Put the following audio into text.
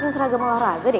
ketemu baju olahraga lu